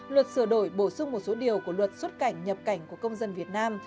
luật sửa đổi bổ sung một số điều của luật xuất cảnh nhập cảnh của công dân việt nam